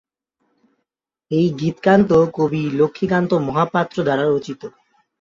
এই গীত কান্ত কবি লক্ষ্মীকান্ত মহাপাত্র দ্বারা রচিত।